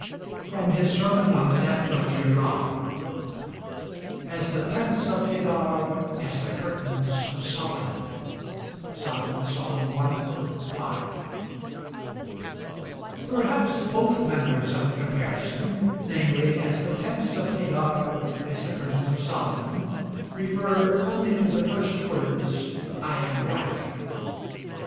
FROM HIS SERMON ON THE DEATH OF GERARD "As the tents of Kedar, as the curtains of Solomon." Sol. Song i. 5 Perhaps both members of the comparison viz., "As the tents of Kedar, as the curtains of Solomon" refer only to the first words, "I am black."